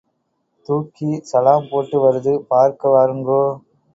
தூக்கி சலாம் போட்டு வருது பார்க்க வாருங்கோ.